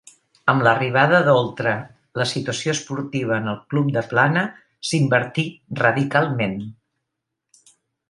Amb l'arribada d'Oltra la situació esportiva en el club de Plana s'invertí radicalment.